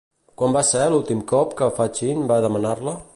Quan va ser l'últim cop que Fachín va demanar-la?